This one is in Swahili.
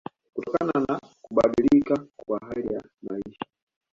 kutokana na kubadilika kwa hali ya maisha